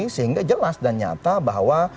sehingga jelas dan nyata bahwa